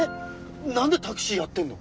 何でタクシーやってんの？